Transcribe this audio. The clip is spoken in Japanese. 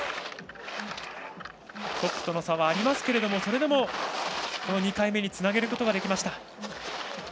トップとの差はありますけどもそれでも２回目につなげることができました。